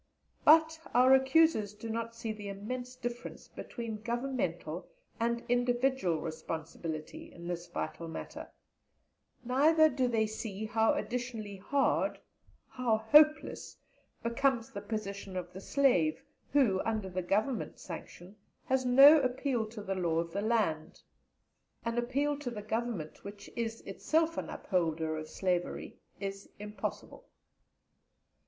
But our accusers do not see the immense difference between Governmental and individual responsibility in this vital matter, neither do they see how additionally hard, how hopeless, becomes the position of the slave who, under the Government sanction, has no appeal to the law of the land; an appeal to the Government which is itself an upholder of slavery, is impossible.